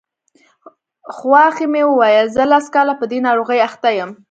خواښې مې وویل زه لس کاله په دې ناروغۍ اخته یم.